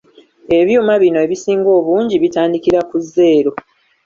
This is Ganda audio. Ebyuma bino ebisinga obungi bitandikira ku zeero.